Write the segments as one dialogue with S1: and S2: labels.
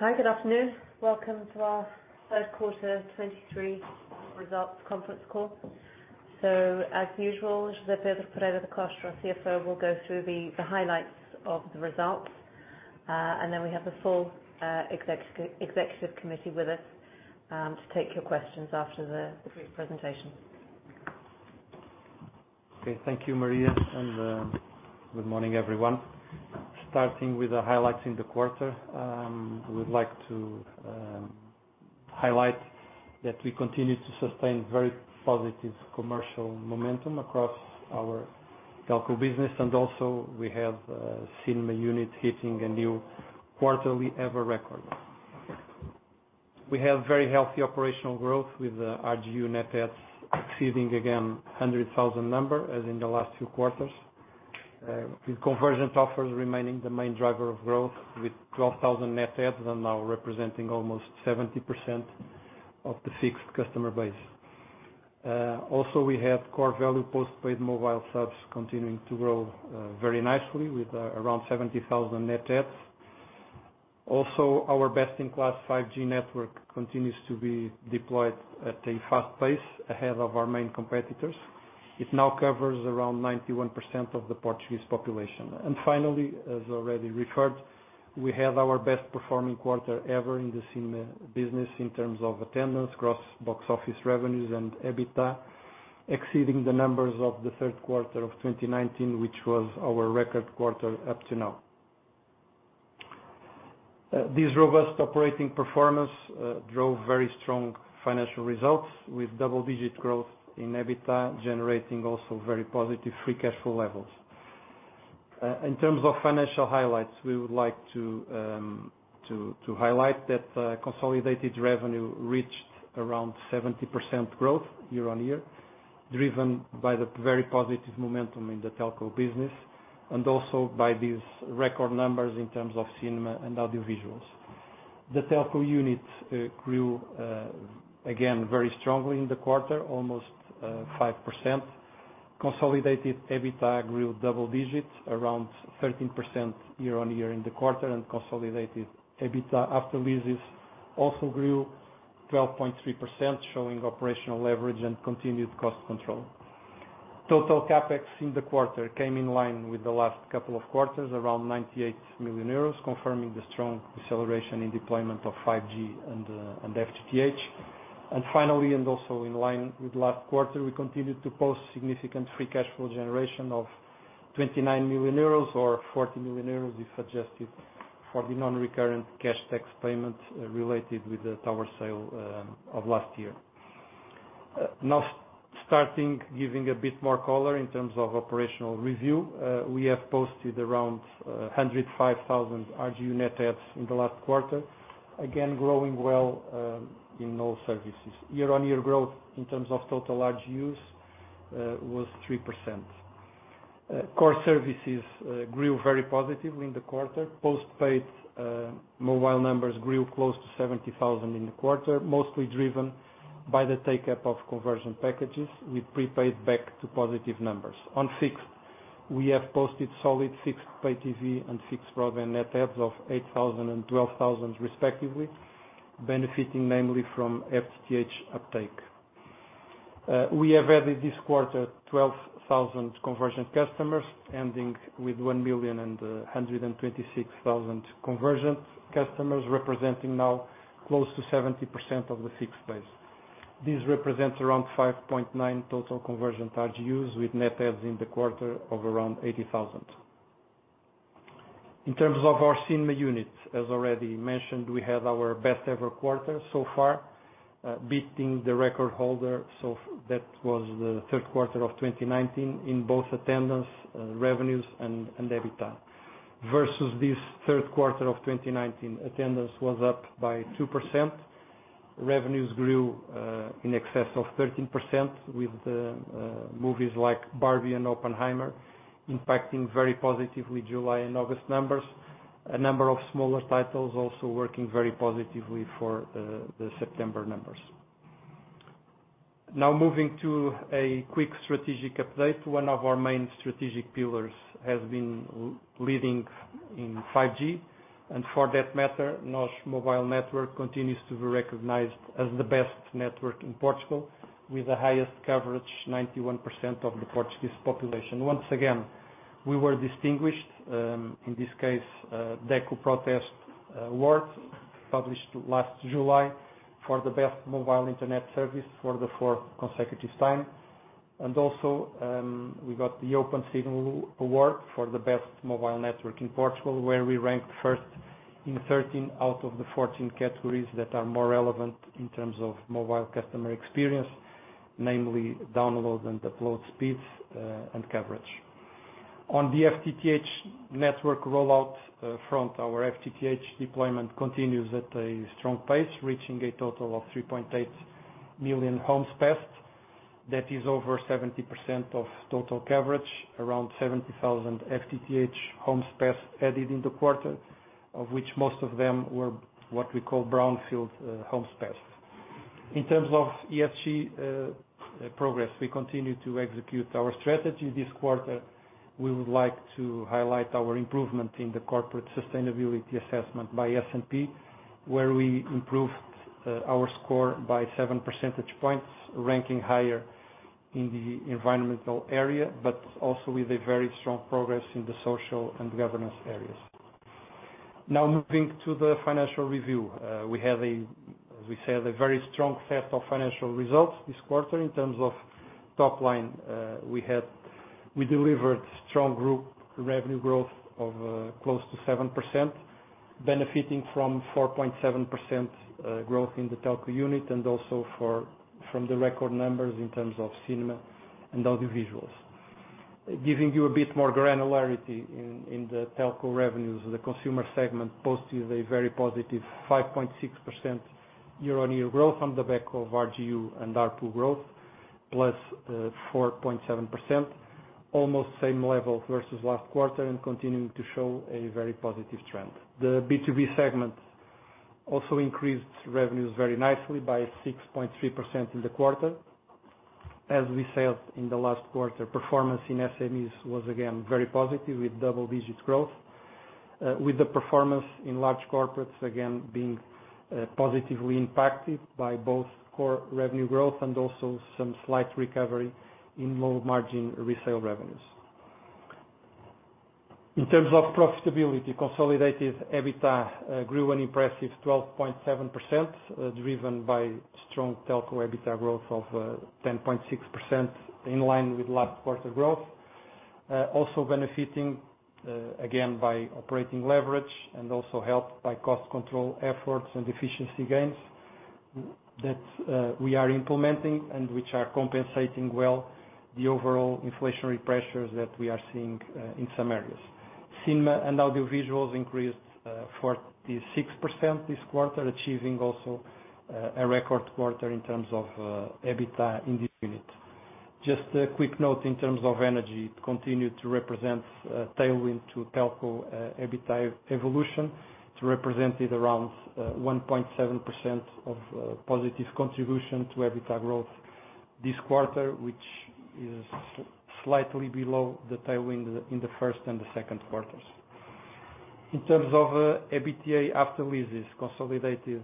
S1: Hi, good afternoon. Welcome to our Third Quarter 2023 Results Conference Call. So as usual, José Pedro Pereira da Costa, our CFO, will go through the highlights of the results. And then we have the full executive committee with us to take your questions after the brief presentation.
S2: Okay. Thank you, Maria, and good morning, everyone. Starting with the highlights in the quarter, we'd like to highlight that we continue to sustain very positive commercial momentum across our telco business, and also we have cinema unit hitting a new quarterly ever record. We have very healthy operational growth with RGU net adds exceeding again 100,000 number, as in the last two quarters. With conversion offers remaining the main driver of growth, with 12,000 net adds and now representing almost 70% of the fixed customer base. Also, we have core value postpaid mobile subs continuing to grow very nicely with around 70,000 net adds. Also, our best-in-class 5G network continues to be deployed at a fast pace ahead of our main competitors. It now covers around 91% of the Portuguese population. Finally, as already referred, we have our best performing quarter ever in the cinema business in terms of attendance, gross box office revenues, and EBITDA, exceeding the numbers of the third quarter of 2019, which was our record quarter up to now. This robust operating performance drove very strong financial results with double-digit growth in EBITDA, generating also very positive free cash flow levels. In terms of financial highlights, we would like to highlight that consolidated revenue reached around 70% growth year-on-year, driven by the very positive momentum in the telco business and also by these record numbers in terms of cinema and audiovisuals. The telco unit grew again very strongly in the quarter, almost 5%. Consolidated EBITDA grew double digits, around 13% year-on-year in the quarter, and consolidated EBITDA after leases also grew 12.3%, showing operational leverage and continued cost control. Total CapEx in the quarter came in line with the last couple of quarters, around 98 million euros, confirming the strong acceleration in deployment of 5G and FTTH. And finally, and also in line with last quarter, we continued to post significant free cash flow generation of 29 million euros or 40 million euros, if adjusted for the non-recurrent cash tax payment related with the tower sale of last year. Now starting giving a bit more color in terms of operational review, we have posted around 105,000 RGU net adds in the last quarter, again, growing well in all services. Year-on-year growth in terms of total RGUs was 3%. Core services grew very positively in the quarter. Postpaid mobile numbers grew close to 70,000 in the quarter, mostly driven by the take-up of conversion packages, with prepaid back to positive numbers. On fixed, we have posted solid fixed pay TV and fixed broadband net adds of 8,000 and 12,000, respectively, benefiting mainly from FTTH uptake. We have added this quarter 12,000 conversion customers, ending with 1,126,000 conversion customers, representing now close to 70% of the fixed base. This represents around 5.9 total conversion RGUs, with net adds in the quarter of around 80,000. In terms of our cinema units, as already mentioned, we had our best ever quarter so far, beating the record holder. That was the third quarter of 2019 in both attendance, revenues, and EBITDA. Versus this third quarter of 2019, attendance was up by 2%. Revenues grew in excess of 13%, with movies like Barbie and Oppenheimer impacting very positively July and August numbers. A number of smaller titles also working very positively for the September numbers. Now moving to a quick strategic update. One of our main strategic pillars has been leading in 5G, and for that matter, NOS mobile network continues to be recognized as the best network in Portugal, with the highest coverage, 91% of the Portuguese population. Once again, we were distinguished in this case, DECO Proteste award, published last July, for the best mobile internet service for the fourth consecutive time. And also, we got the Opensignal Award for the best mobile network in Portugal, where we ranked first in 13 out of the 14 categories that are more relevant in terms of mobile customer experience, namely download and upload speeds, and coverage. On the FTTH network rollout front, our FTTH deployment continues at a strong pace, reaching a total of 3.8 million homes passed. That is over 70% of total coverage, around 70,000 FTTH homes passed added in the quarter, of which most of them were what we call brownfield homes passed. In terms of ESG progress, we continue to execute our strategy. This quarter, we would like to highlight our improvement in the Corporate Sustainability Assessment by S&P, where we improved our score by 7 percentage points, ranking higher in the environmental area, but also with a very strong progress in the social and governance areas. Now, moving to the financial review. We have, as we said, a very strong set of financial results this quarter. In terms of top line, we delivered strong group revenue growth of close to 7%, benefiting from 4.7% growth in the telco unit, also from the record numbers in terms of cinema and audiovisuals. Giving you a bit more granularity in the telco revenues, the consumer segment posted a very positive 5.6% year-on-year growth on the back of RGU and ARPU growth, +4.7%, almost same level versus last quarter and continuing to show a very positive trend. The B2B segment also increased revenues very nicely by 6.3% in the quarter. As we said, in the last quarter, performance in SMEs was again very positive, with double-digit growth, with the performance in large corporates, again, being positively impacted by both core revenue growth and also some slight recovery in low-margin resale revenues. In terms of profitability, consolidated EBITDA grew an impressive 12.7%, driven by strong telco EBITDA growth of 10.6%, in line with last quarter growth. Also benefiting, again, by operating leverage and also helped by cost control efforts and efficiency gains that we are implementing and which are compensating well the overall inflationary pressures that we are seeing in some areas. Cinema and audiovisuals increased 46% this quarter, achieving also a record quarter in terms of EBITDA in this unit. Just a quick note in terms of energy. It continued to represent tailwind to telco EBITDA evolution. It represented around 1.7% of positive contribution to EBITDA growth this quarter, which is slightly below the tailwind in the first and the second quarters. In terms of EBITDA after leases, consolidated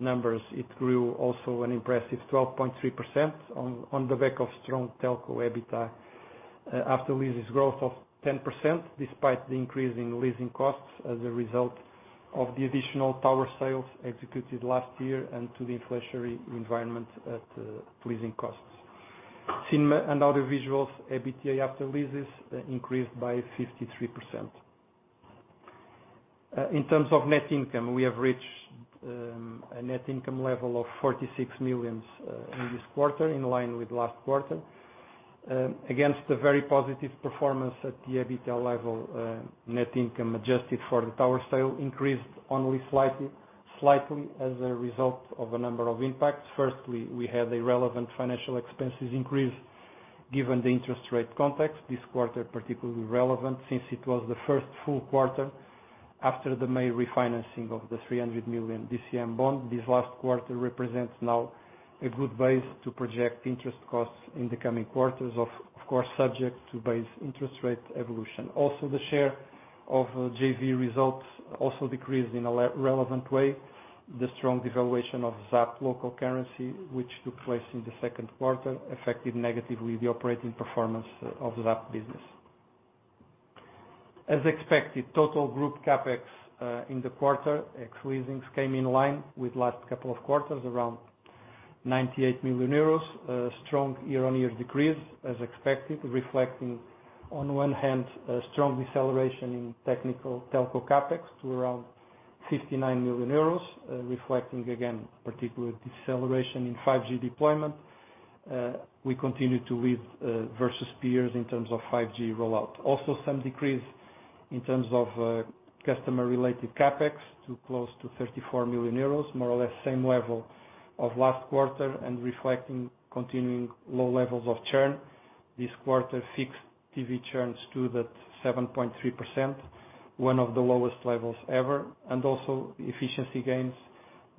S2: numbers, it grew also an impressive 12.3% on the back of strong telco EBITDA after leases growth of 10%, despite the increase in leasing costs as a result of the additional tower sales executed last year and to the inflationary environment at leasing costs. Cinema and audiovisuals EBITDA after leases increased by 53%. In terms of net income, we have reached a net income level of 46 million in this quarter, in line with last quarter. Against a very positive performance at the EBITDA level, net income adjusted for the tower sale increased only slightly as a result of a number of impacts. Firstly, we had a relevant financial expenses increase, given the interest rate context. This quarter, particularly relevant since it was the first full quarter after the May refinancing of the 300 million DCM bond. This last quarter represents now a good base to project interest costs in the coming quarters, of course, subject to base interest rate evolution. Also, the share of JV results also decreased in a less relevant way. The strong devaluation of ZAP local currency, which took place in the second quarter, affected negatively the operating performance of the ZAP business. As expected, total group CapEx in the quarter, ex-leasings, came in line with last couple of quarters, around 98 million euros. A strong year-on-year decrease, as expected, reflecting, on one hand, a strong deceleration in technical telco CapEx to around 59 million euros, reflecting, again, particular deceleration in 5G deployment. We continue to lead versus peers in terms of 5G rollout. Also, some decrease in terms of, customer-related CapEx to close to 34 million euros, more or less same level of last quarter, and reflecting continuing low levels of churn. This quarter, fixed TV churn stood at 7.3%, one of the lowest levels ever, and also efficiency gains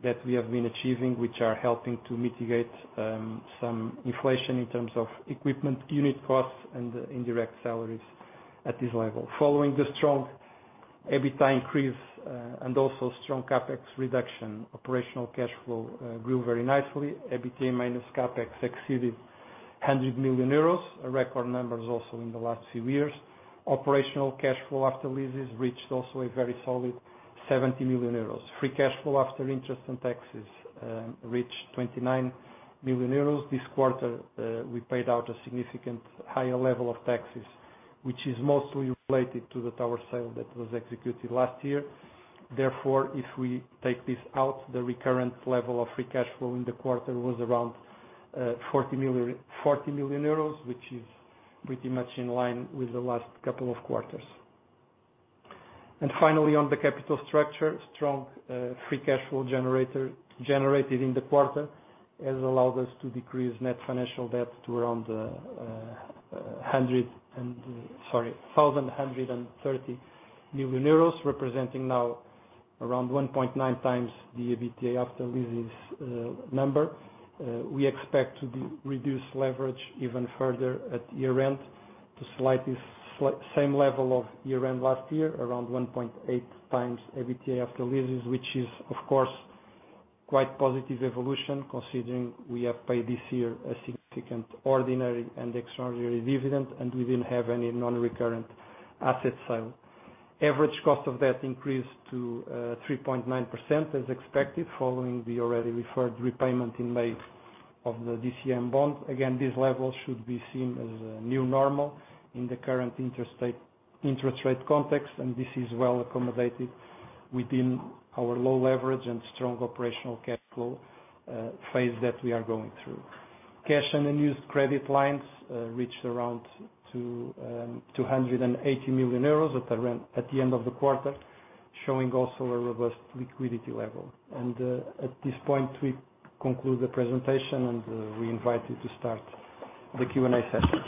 S2: that we have been achieving, which are helping to mitigate, some inflation in terms of equipment, unit costs, and indirect salaries at this level. Following the strong EBITDA increase, and also strong CapEx reduction, operational cash flow, grew very nicely. EBITDA - CapEx exceeded 100 million euros, a record numbers also in the last few years. Operational cash flow after leases reached also a very solid 70 million euros. Free cash flow after interest and taxes, reached 29 million euros. This quarter, we paid out a significantly higher level of taxes, which is mostly related to the tower sale that was executed last year. Therefore, if we take this out, the recurrent level of free cash flow in the quarter was around 40 million euros, which is pretty much in line with the last couple of quarters. And finally, on the capital structure, strong free cash flow generated in the quarter has allowed us to decrease net financial debt to around 130 million euros, representing now around 1.9x the EBITDA after leases number. We expect to reduce leverage even further at year-end, to same level of year-end last year, around 1.8x EBITDA after leases, which is, of course, quite positive evolution, considering we have paid this year a significant ordinary and extraordinary dividend, and we didn't have any non-recurrent asset sale. Average cost of debt increased to 3.9% as expected, following the already referred repayment in May of the DCM bond. Again, this level should be seen as a new normal in the current interest rate context, and this is well accommodated within our low leverage and strong operational capital phase that we are going through. Cash and unused credit lines reached around 280 million euros at the end of the quarter, showing also a robust liquidity level. At this point, we conclude the presentation, and we invite you to start the Q&A session.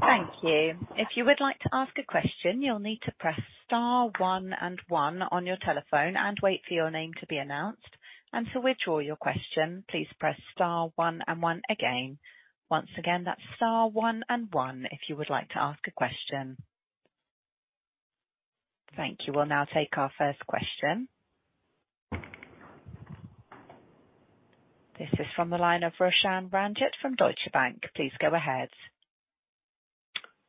S3: Thank you. If you would like to ask a question, you'll need to press star one and one on your telephone and wait for your name to be announced. And to withdraw your question, please press star one and one again. Once again, that's star one and one, if you would like to ask a question. Thank you. We'll now take our first question. This is from the line of Roshan Ranjit from Deutsche Bank. Please go ahead.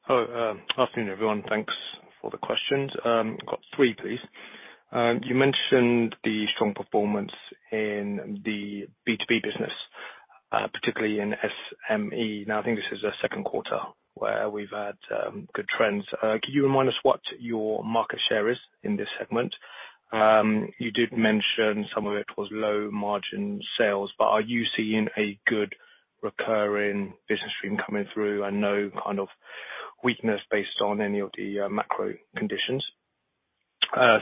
S4: Hello, afternoon, everyone. Thanks for the questions. Got three, please. You mentioned the strong performance in the B2B business, particularly in SME. Now, I think this is the second quarter where we've had good trends. Could you remind us what your market share is in this segment? You did mention some of it was low margin sales, but are you seeing a good recurring business stream coming through, and no kind of weakness based on any of the macro conditions?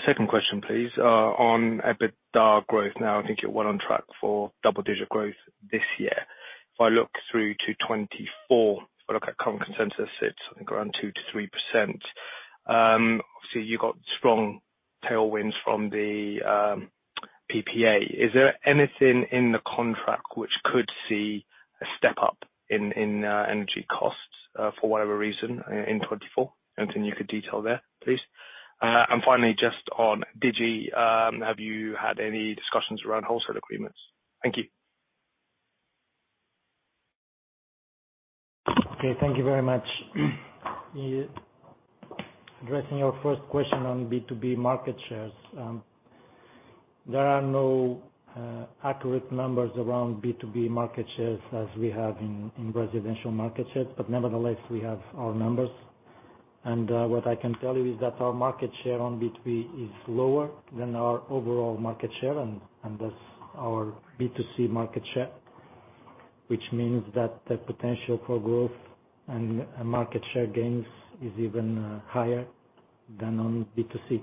S4: Second question, please. On EBITDA growth. Now, I think you're well on track for double-digit growth this year. If I look through to 2024, if I look at current consensus, it's around 2%-3%. So you got strong tailwinds from the PPA. Is there anything in the contract which could see a step up in energy costs for whatever reason in 2024? Anything you could detail there, please? And finally, just on Digi, have you had any discussions around wholesale agreements? Thank you.
S5: Okay, thank you very much. Addressing your first question on B2B market shares, there are no accurate numbers around B2B market shares as we have in residential market shares, but nevertheless, we have our numbers. And what I can tell you is that our market share on B2B is lower than our overall market share, and that's our B2C market share, which means that the potential for growth and market share gains is even higher than on B2C.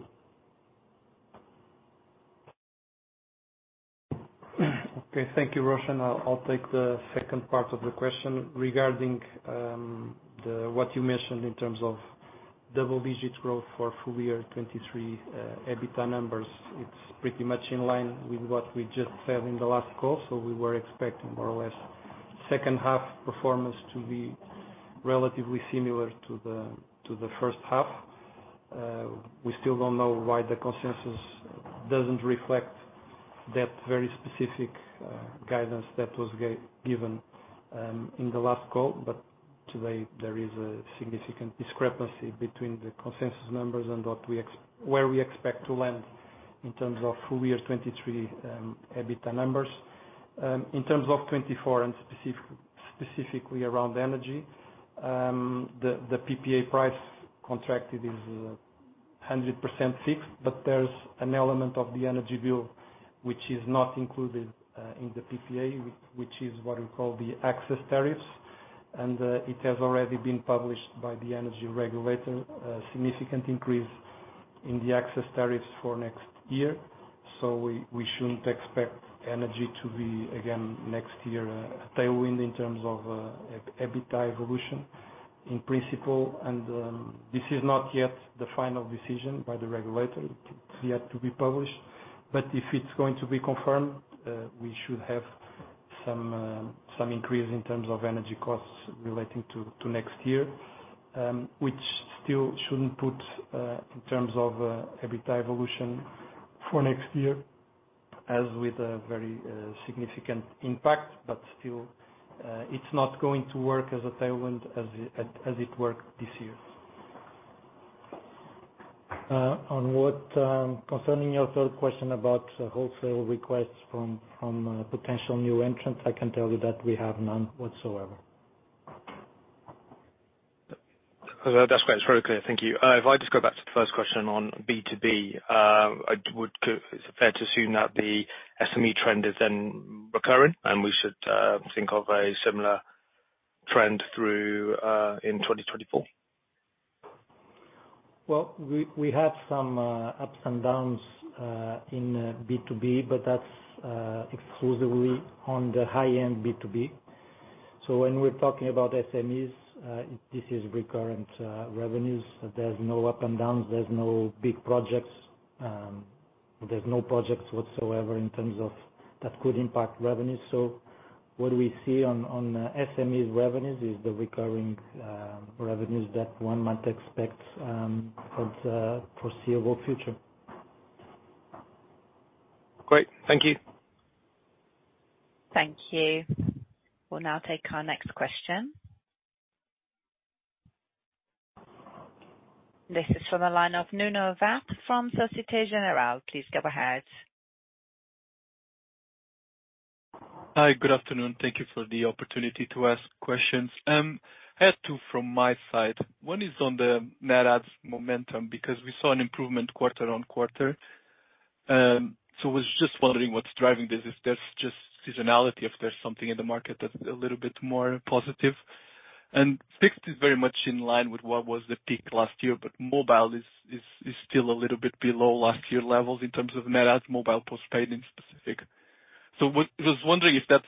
S2: Okay, thank you, Roshan. I'll take the second part of the question. Regarding what you mentioned in terms of double-digit growth for full-year 2023 EBITDA numbers, it's pretty much in line with what we just said in the last call, so we were expecting more or less second-half performance to be relatively similar to the first half. We still don't know why the consensus doesn't reflect that very specific guidance that was given in the last call, but today, there is a significant discrepancy between the consensus numbers and where we expect to land in terms of full-year 2023 EBITDA numbers. In terms of 2024 and specifically around energy, the PPA price contracted is 100% fixed, but there's an element of the energy bill that is not included in the PPA, which is what we call the access tariffs. It has already been published by the energy regulator, a significant increase in the access tariffs for next year, so we shouldn't expect energy to be, again, next year, a tailwind in terms of EBITDA evolution in principle. This is not yet the final decision by the regulator, it's yet to be published. But if it's going to be confirmed, we should have some increase in terms of energy costs relating to next year, which still shouldn't put in terms of EBITDA evolution for next year as with a very significant impact. But still, it's not going to work as a tailwind as it worked this year.
S5: As for your third question about wholesale requests from potential new entrants, I can tell you that we have none whatsoever.
S4: That's great. It's very clear. Thank you. If I just go back to the first question on B2B, is it fair to assume that the SME trend is then recurring, and we should think of a similar trend through in 2024?
S5: Well, we had some ups and downs in B2B, but that's exclusively on the high-end B2B.
S2: So when we're talking about SMEs, this is recurrent revenues. There's no up and downs, there's no big projects, there's no projects whatsoever in terms of that could impact revenues. So what we see on SMEs revenues is the recurring revenues that one might expect, for the foreseeable future.
S6: Great, thank you.
S3: Thank you. We'll now take our next question. This is from the line of Nuno Vaz from Société Générale. Please go ahead.
S7: Hi, good afternoon. Thank you for the opportunity to ask questions. I have two from my side. One is on the net adds momentum, because we saw an improvement quarter-on-quarter. So I was just wondering what's driving this, if that's just seasonality, if there's something in the market that's a little bit more positive. Fixed is very much in line with what was the peak last year, but mobile is still a little bit below last year levels in terms of net adds mobile postpaid in specific. So I was wondering if that's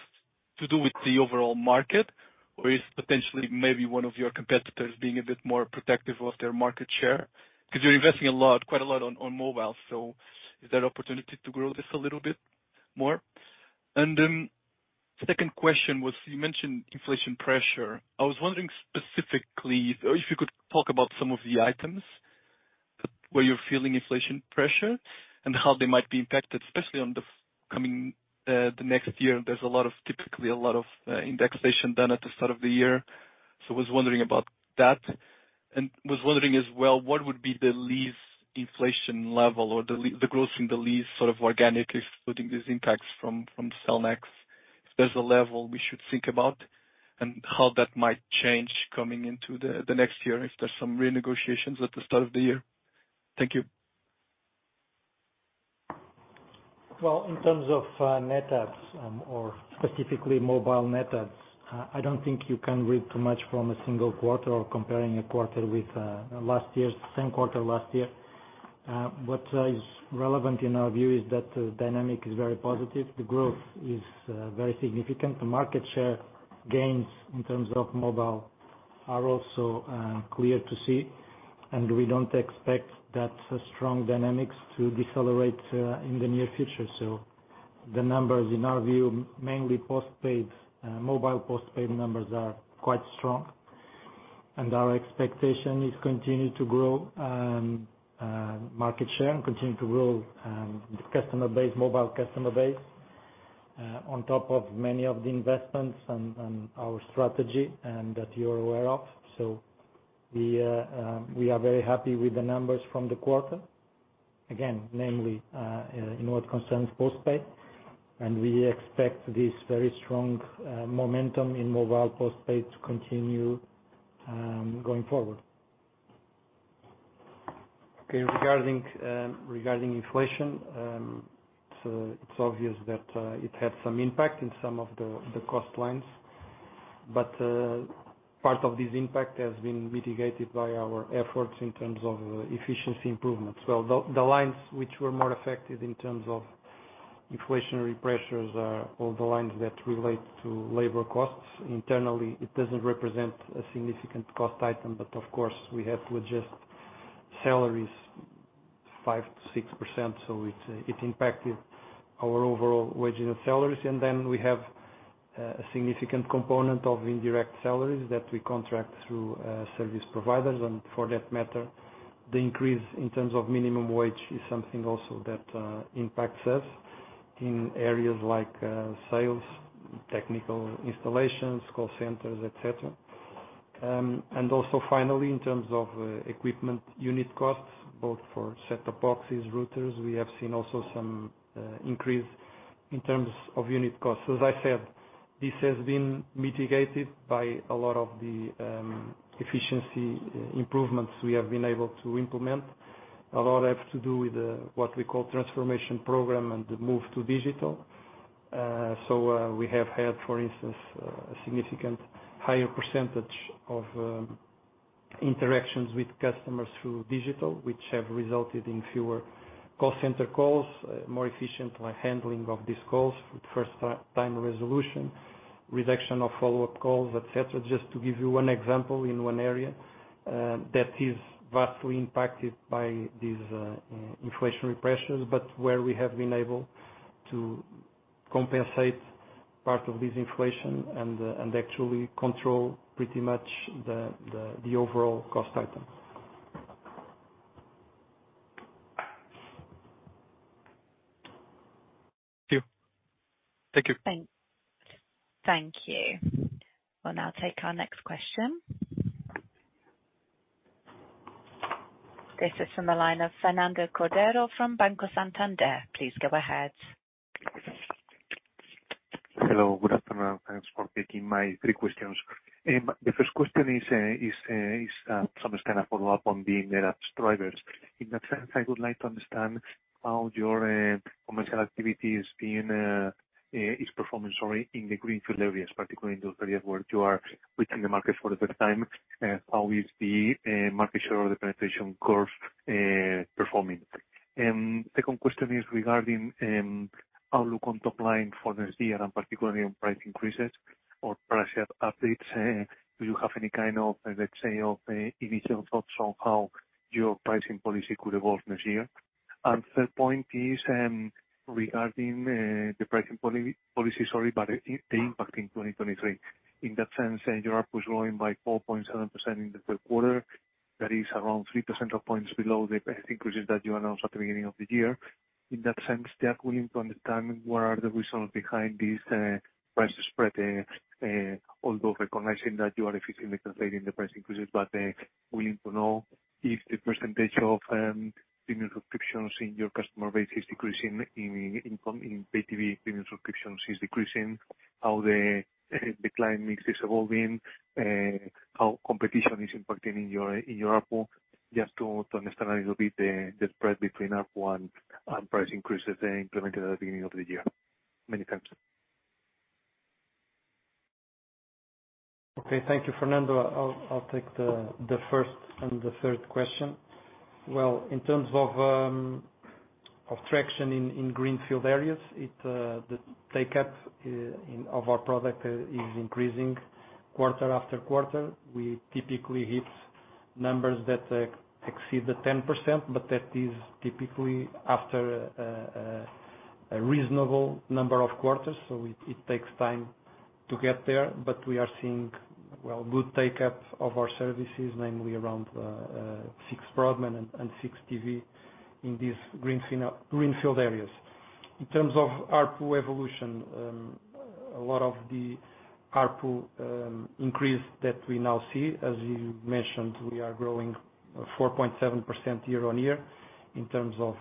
S7: to do with the overall market or is potentially maybe one of your competitors being a bit more protective of their market share? Because you're investing a lot, quite a lot on mobile, so is there opportunity to grow this a little bit more? And then second question was, you mentioned inflation pressure. I was wondering specifically, if you could talk about some of the items where you're feeling inflation pressure, and how they might be impacted, especially on the coming, the next year. There's a lot of, typically a lot of, indexation done at the start of the year. So I was wondering about that. And was wondering as well, what would be the least inflation level or the growth in the least sort of organic, excluding these impacts from Cellnex, if there's a level we should think about, and how that might change coming into the next year, if there's some renegotiations at the start of the year? Thank you.
S2: Well, in terms of net adds, or specifically mobile net adds, I don't think you can read too much from a single quarter or comparing a quarter with last year's same quarter last year. What is relevant in our view is that the dynamic is very positive. The growth is very significant. The market share gains in terms of mobile are also clear to see, and we don't expect that strong dynamics to decelerate in the near future. So the numbers in our view, mainly postpaid, mobile postpaid numbers, are quite strong. And our expectation is continue to grow market share and continue to grow the customer base, mobile customer base, on top of many of the investments and our strategy, and that you're aware of. So we are very happy with the numbers from the quarter. Again, namely, in what concerns postpaid, and we expect this very strong momentum in mobile postpaid to continue going forward. Okay, regarding inflation, so it's obvious that it had some impact in some of the cost lines. But part of this impact has been mitigated by our efforts in terms of efficiency improvements. Well, the lines which were more affected in terms of inflationary pressures are all the lines that relate to labor costs. Internally, it doesn't represent a significant cost item, but of course, we have to adjust salaries 5%-6%, so it impacted our overall wages and salaries. And then we have a significant component of indirect salaries that we contract through service providers. And for that matter, the increase in terms of minimum wage is something also that impacts us in areas like sales, technical installations, call centers, et cetera. And also finally, in terms of equipment unit costs, both for set-top boxes, routers, we have seen also some increase in terms of unit costs. So as I said, this has been mitigated by a lot of the efficiency improvements we have been able to implement. A lot have to do with what we call transformation program and the move to digital. So we have had, for instance, a significant higher percentage of interactions with customers through digital, which have resulted in fewer call center calls, more efficient, like, handling of these calls, first time resolution, reduction of follow-up calls, et cetera. Just to give you one example in one area, that is vastly impacted by these inflationary pressures, but where we have been able to compensate part of this inflation and actually control pretty much the overall cost item.
S7: Thank you. Thank you.
S3: Thank you. We'll now take our next question. This is from the line of Fernando Cordero from Banco Santander. Please go ahead.
S6: Hello, good afternoon. Thanks for taking my three questions. The first question is some kind of follow-up on the net adds drivers. In that sense, I would like to understand how your commercial activity is performing, sorry, in the greenfield areas, particularly in those areas where you are within the market for the first time, how is the market share or the penetration curve performing? The second question is regarding the outlook on top line for next year, and particularly on price increases or price updates. Do you have any kind of, let's say, initial thoughts on how your pricing policy could evolve next year? And third point is regarding the pricing policy, sorry, but the impact in 2023. In that sense, and you are growing by 4.7% in the third quarter, that is around three percentage points below the price increases that you announced at the beginning of the year. In that sense, they are willing to understand what the results are behind this, price spread, although recognizing that you are efficiently translating the price increases. But, willing to know if the percentage of premium subscriptions in your customer base is decreasing in pay TV, premium subscriptions is decreasing, how the client mix is evolving, how competition is impacting in your ARPU. Just to understand a little bit, the spread between ARPU and price increases implemented at the beginning of the year. Many thanks.
S2: Okay. Thank you, Fernando. I'll take the first and the third question. Well, in terms of traction in greenfield areas, the take up in of our product is increasing quarter after quarter. We typically hit numbers that exceed the 10%, but that is typically after a reasonable number of quarters, so it takes time to get there. But we are seeing, well, good take up of our services, namely around fixed broadband and fixed TV in these greenfield areas. In terms of ARPU evolution, a lot of the ARPU increase that we now see, as you mentioned, we are growing 4.7% year-on-year in terms of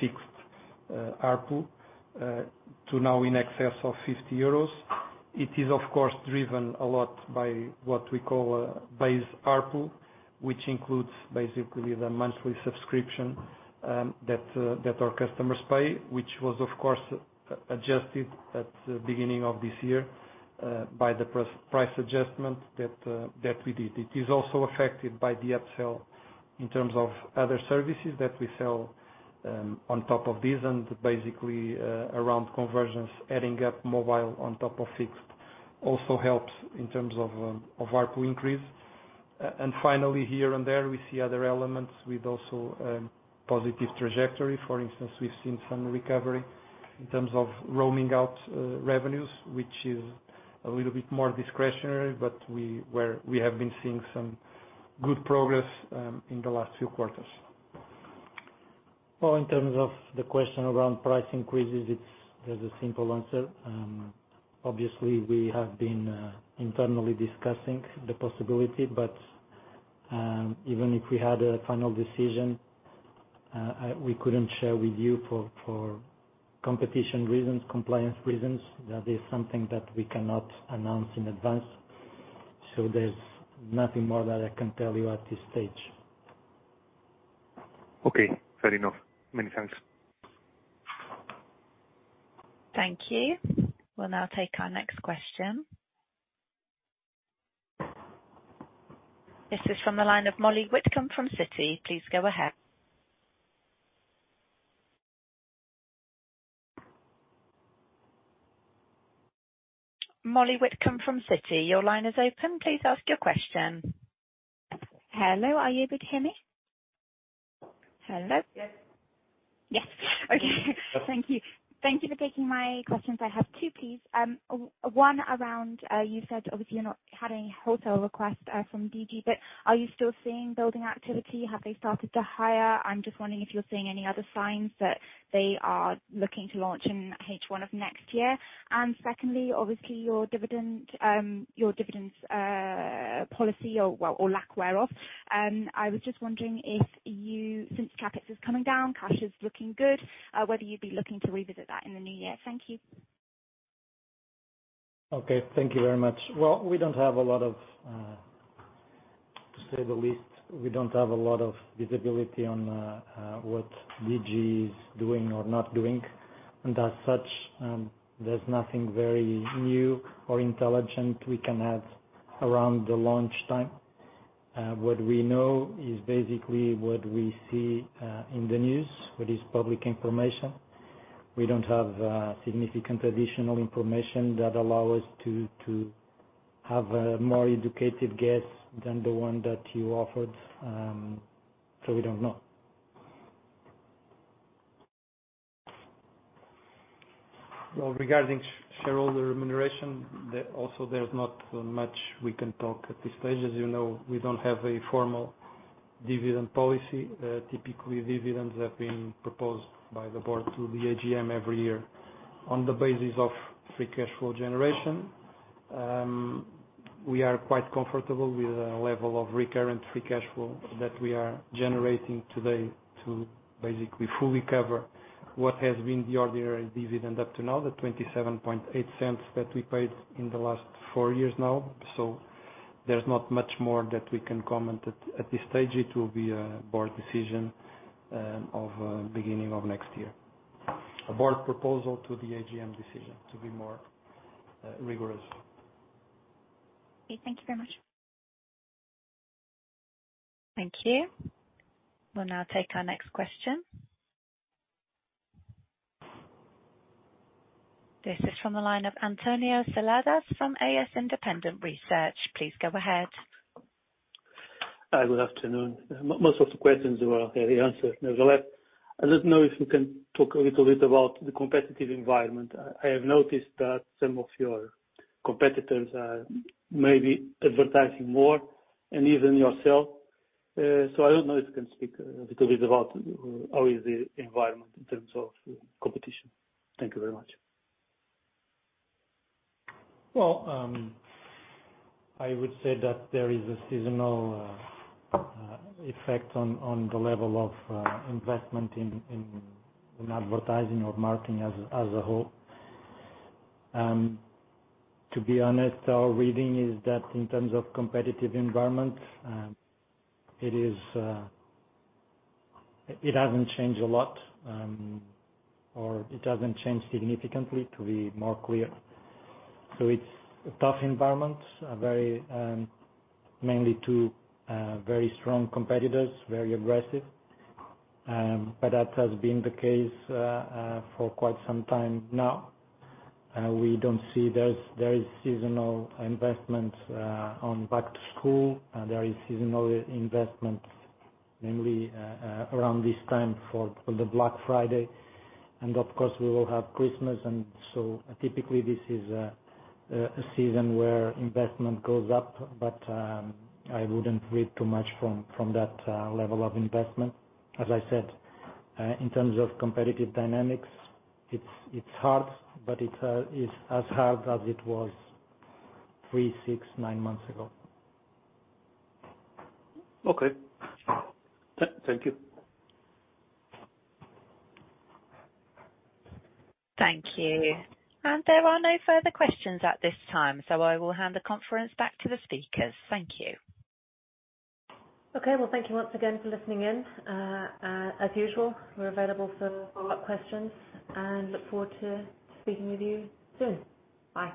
S2: fixed ARPU to now in excess of 50 euros. It is, of course, driven a lot by what we call a base ARPU, which includes basically the monthly subscription, that our customers pay, which was, of course, adjusted at the beginning of this year, by the price, price adjustment that we did. It is also affected by the upsell in terms of other services that we sell, on top of this, and basically, around conversions, adding up mobile on top of fixed, also helps in terms of, of ARPU increase. And finally, here and there, we see other elements with also, positive trajectory. For instance, we've seen some recovery in terms of roaming out, revenues, which is a little bit more discretionary, but where we have been seeing some good progress, in the last few quarters.
S5: Well, in terms of the question around price increases, it's, there's a simple answer. Obviously, we have been internally discussing the possibility, but, even if we had a final decision, we couldn't share with you for, for competition reasons, compliance reasons, that is something that we cannot announce in advance. So there's nothing more that I can tell you at this stage.
S6: Okay, fair enough. Many thanks.
S3: Thank you. We'll now take our next question. This is from the line of Molly Freeman from Citi. Please go ahead. Molly Freeman from Citi, your line is open. Please ask your question.
S8: Yes. Okay. Thank you. Thank you for taking my questions. I have two, please. One around, you said obviously you're not had any wholesale requests from Digi, but are you still seeing building activity? Have they started to hire? I'm just wondering if you're seeing any other signs that they are looking to launch in H1 of next year. And secondly, your dividend policy or lack thereof, I was just wondering, since CapEx is coming down, cash is looking good, whether you'd be looking to revisit that in the new year. Thank you.
S5: Okay, thank you very much. Well, we don't have a lot of, to say the least, we don't have a lot of visibility on, what Digi is doing or not doing. And as such, there's nothing very new or intelligent we can add around the launch time. What we know is basically what we see, in the news, what is public information. We don't have, significant additional information that allow us to, have a more educated guess than the one that you offered. So we don't know.
S2: Well, regarding shareholder remuneration, there, also there's not much we can talk at this stage. As you know, we don't have a formal dividend policy. Typically, dividends have been proposed by the board to the AGM every year on the basis of free cash flow generation. We are quite comfortable with the level of recurrent free cash flow that we are generating today to basically fully cover what has been the ordinary dividend up to now, the 0.278 that we paid in the last four years now. So there's not much more that we can comment at this stage. It will be a board decision, of, beginning of next year. A board proposal to the AGM decision to be more, rigorous.
S8: Okay, thank you very much.
S3: Thank you. We'll now take our next question. This is from the line of Antonio Seladas from AS Independent Research. Please go ahead.
S9: Hi, good afternoon. Most of the questions were already answered. Nevertheless, I don't know if you can talk a little bit about the competitive environment. I have noticed that some of your competitors are maybe advertising more and even yourself. So I don't know if you can speak a little bit about how is the environment in terms of competition. Thank you very much.
S5: Well, I would say that there is a seasonal effect on the level of investment in advertising or marketing as a whole. To be honest, our reading is that in terms of competitive environment, it hasn't changed a lot, or it hasn't changed significantly, to be more clear. So it's a tough environment, a very mainly two very strong competitors, very aggressive. But that has been the case for quite some time now. We don't see there is seasonal investment on back to school, and there is seasonal investment mainly around this time for the Black Friday. And of course, we will have Christmas, and so typically this is a season where investment goes up. But, I wouldn't read too much from that level of investment. As I said, in terms of competitive dynamics, it's hard, but it is as hard as it was 3, 6, 9 months ago.
S9: Okay. Thank you.
S3: Thank you. There are no further questions at this time, so I will hand the conference back to the speakers. Thank you.
S1: Okay, well, thank you once again for listening in. As usual, we're available for follow-up questions and look forward to speaking with you soon. Bye.